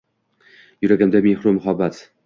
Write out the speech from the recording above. Yuragimda mehru muhabbat